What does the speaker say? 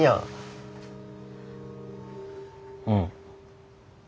うん。